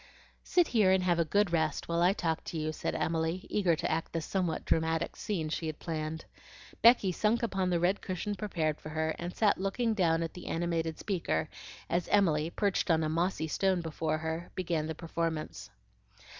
"Sit here and have a good rest, while I talk to you," said Emily, eager to act the somewhat dramatic scene she had planned. Becky sunk upon the red cushion prepared for her, and sat looking down at the animated speaker, as Emily, perched on a mossy stone before her, began the performance.